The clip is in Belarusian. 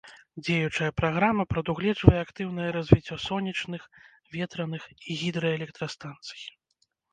Дзеючая праграма прадугледжвае актыўнае развіццё сонечных, ветраных і гідраэлектрастанцый.